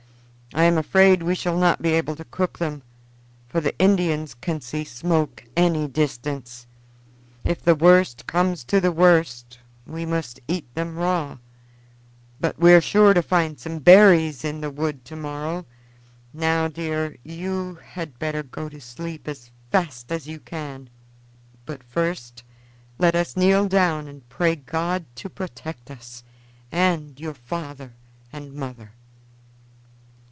I am afraid we shall not be able to cook them, for the Indians can see smoke any distance. If the worst comes to the worst we must eat them raw, but we are sure to find some berries in the wood to morrow. Now, dear, you had better go to sleep as fast as you can; but first let us kneel down and pray God to protect us and your father and mother."